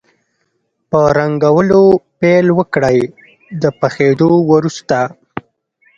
په رنګولو پیل وکړئ د پخېدو وروسته.